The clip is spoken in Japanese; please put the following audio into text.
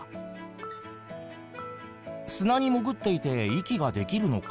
「砂に潜っていて息ができるのか？」